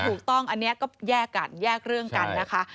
ถูกต้องอันนี้ก็แยกกันแยกเรื่องกันนะคะ